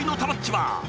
は。